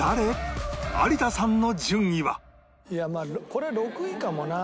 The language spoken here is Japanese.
これ６位かもな。